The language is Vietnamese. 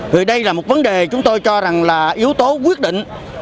vì đây là một vấn đề chúng tôi cho rằng là yếu tố quyết định